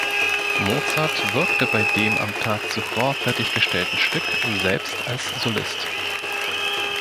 Mozart wirkte bei dem am Tag zuvor fertiggestellten Stück selbst als Solist.